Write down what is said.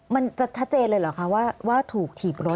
มันจะชัดเจนเลยเหรอคะว่าถูกถีบรถ